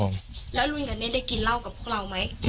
แล้วรุ่นอันนี้ได้กินเหล้ากับพวกเราไหม